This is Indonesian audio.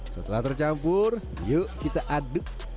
setelah tercampur yuk kita aduk